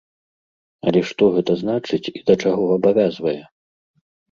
Але што гэта значыць і да чаго абавязвае?